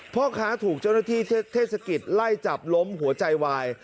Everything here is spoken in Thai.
พ่อค้าถูกเจ้าหน้าที่เทศกิจไล่จับล้มหัวใจวาย